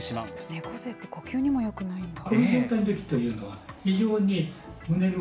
猫背って呼吸にもよくないんだ。